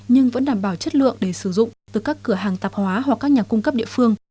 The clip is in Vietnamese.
nhưng vẫn đảm bảo chất lượng để sử dụng từ các cửa hàng tạp hóa hoặc các nhà cung cấp địa phương